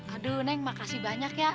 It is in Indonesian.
aduh neng makasih banyak ya